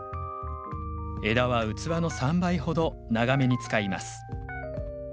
枝は器の３倍ほど長めに使います。